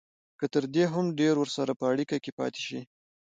که تر دې هم ډېر ورسره په اړیکه کې پاتې شي